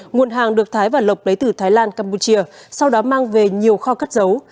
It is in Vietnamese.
nguồn hàng được thái và lộc lấy từ thái lan campuchia sau đó mang về nhiều kho cất dấu